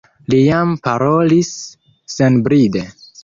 Li jam parolis senbride.